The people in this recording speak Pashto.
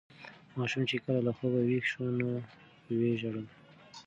ماشوم چې کله له خوبه ویښ شو نو ویې ژړل.